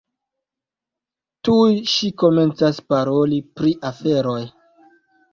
Tuj ŝi komencas paroli pri aferoj.